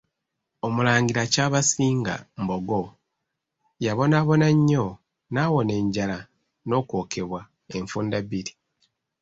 Omulangira Kyabasinga Mbogo, yabonaabona nnyo, n'awona enjala n'okwokebwa enfunda bbiri.